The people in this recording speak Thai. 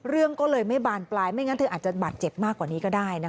เรื่องก็เลยไม่บานปลายไม่งั้นเธออาจจะบาดเจ็บมากกว่านี้ก็ได้นะคะ